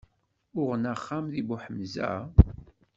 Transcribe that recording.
Uɣen axxam deg Buḥemza?